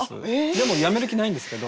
でもやめる気ないんですけど。